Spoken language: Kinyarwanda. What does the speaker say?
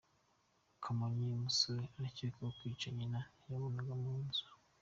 Kamonyi: Umusore arakekwaho kwica nyina babanaga mu nzu.